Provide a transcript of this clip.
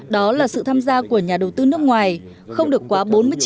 đó là sự tham gia của nhà đầu tư nước ngoài không được quá bốn mươi chín